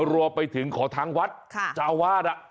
รัวไปถึงขอทางวัดจาวาส